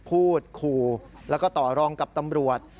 พูดขู่แล้วก็ต่อรองกับตำรวจ